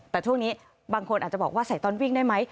แต่ช่วงนี้บางคนอาจจะบอกว่าใส่ตอนวิ่งได้ไหม